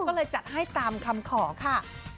ก็เลยจัดให้ตามคำขอค่ะ